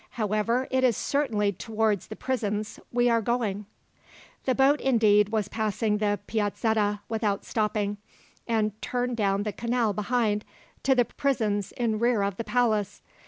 However, it is certainly towards the prisons we are going." The boat, indeed, was passing the Piazzetta without stopping, and turned down the canal behind, to the prisons in rear of the palace.